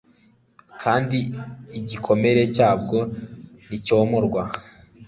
kandi igikomere cyabwo nticyomorwa